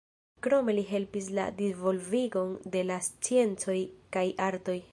Krome li helpis la disvolvigon de la sciencoj kaj artoj.